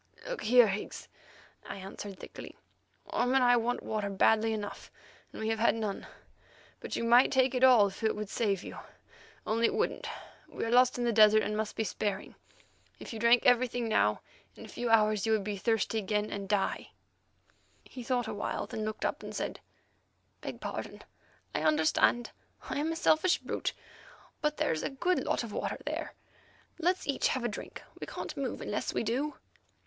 "Look here, Higgs," I answered thickly; "Orme and I want water badly enough, and we have had none. But you might take it all if it would save you, only it wouldn't. We are lost in the desert, and must be sparing. If you drank everything now, in a few hours you would be thirsty again and die." He thought awhile, then looked up and said: "Beg pardon—I understand. I'm the selfish brute. But there's a good lot of water there; let's each have a drink; we can't move unless we do."